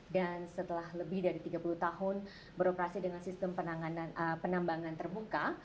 dan setelah lebih dari tiga puluh tahun beroperasi dengan sistem penambangan terbuka